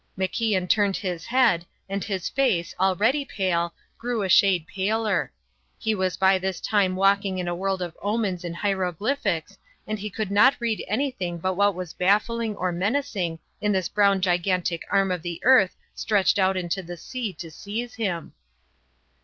MacIan turned his head, and his face, already pale, grew a shade paler. He was by this time walking in a world of omens and hieroglyphics, and he could not read anything but what was baffling or menacing in this brown gigantic arm of the earth stretched out into the sea to seize him.